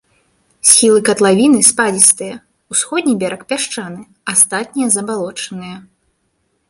Схілы катлавіны спадзістыя, усходні бераг пясчаны, астатнія забалочаныя.